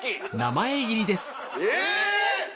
え！